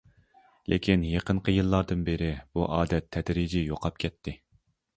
لېكىن يېقىنقى يىللاردىن بىرى بۇ ئادەت تەدرىجىي يوقاپ كەتتى.